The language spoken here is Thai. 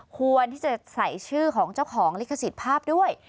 ควรที่จะใส่ชื่อของเจ้าของลิขสิทธิ์ภาพด้วย